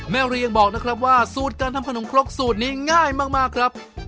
เรียงบอกนะครับว่าสูตรการทำขนมครกสูตรนี้ง่ายมากครับ